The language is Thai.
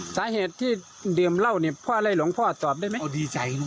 สาเหตุที่เดิมเหล้านี่พ่อไล่หลวงพ่อตอบได้ไหม